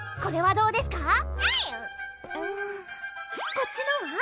こっちのは？